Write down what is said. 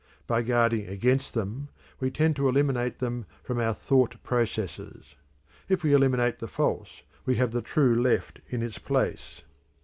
By guarding against them we tend to eliminate them from our thought processes. If we eliminate the false we have the true left in its place.